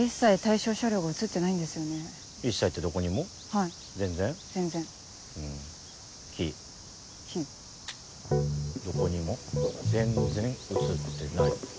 どこにも全然写ってない。